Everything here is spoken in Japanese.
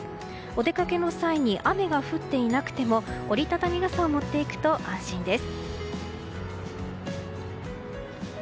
お出かけの際に雨が降っていなくても折り畳み傘を持っていくと安心です。